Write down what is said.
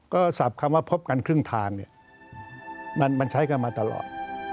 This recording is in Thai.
ก็ศัพท์คำว่าพบกันครึ่งทางเนี่ยมันใช้กันมาตลอด